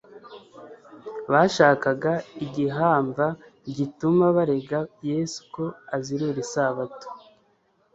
bashakaga igihamva gituma barega Yesu ko azirura isabato.